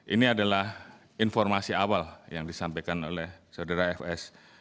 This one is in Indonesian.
ini adalah informasi awal yang disampaikan oleh saudara fs